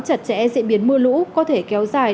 chặt chẽ diễn biến mưa lũ có thể kéo dài